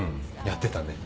やってたね。